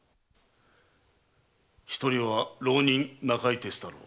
一人は浪人・中井徹太郎。